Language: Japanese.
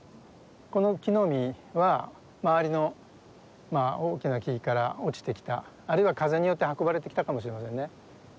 この木の実は周りの大きな木から落ちてきたあるいは風によって運ばれてきたかもしれませんね。